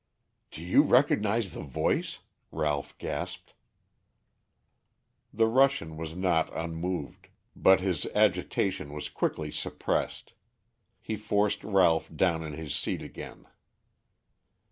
"Do you recognize the voice?" Ralph gasped. The Russian was not unmoved. But his agitation was quickly suppressed. He forced Ralph down in his seat again.